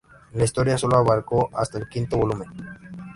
La historia sólo abarcó hasta el quinto volumen.